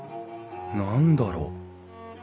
何だろう？